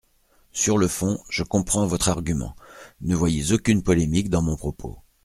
Sur le fond, je comprends votre argument, ne voyez aucune polémique dans mon propos.